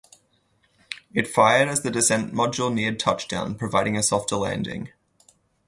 It fired as the descent module neared touchdown, providing a softer landing.